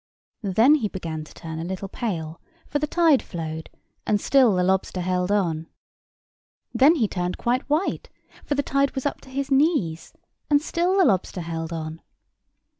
Then he began to turn a little pale; for the tide flowed, and still the lobster held on. Then he turned quite white; for the tide was up to his knees, and still the lobster held on.